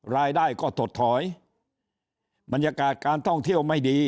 รายได้ก็ถดถอยบรรยากาศการท่องเที่ยวไม่ดี